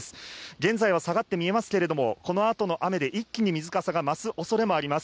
現在は下がって見えますが、これからの雨で一気に水かさが増す恐れもあります。